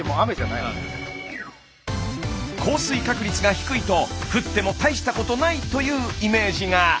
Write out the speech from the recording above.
降水確率が低いと降っても大したことないというイメージが。